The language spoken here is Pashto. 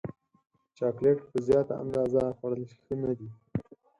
چاکلېټ په زیاته اندازه خوړل ښه نه دي.